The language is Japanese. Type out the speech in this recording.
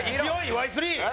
Ｙ−３！